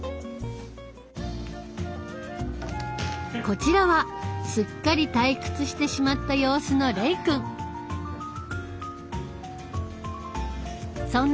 こちらはすっかり退屈してしまった様子の黎くん。